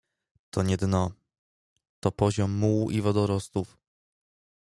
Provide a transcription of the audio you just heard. To nie dno. To poziom mułu i wodorostów.